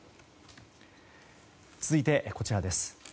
続いてこちらです。